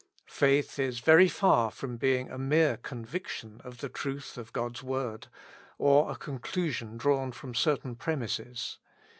Faith is very far from being a mere conviction of the truth of God's word, or a conclusion drawn from certain premises.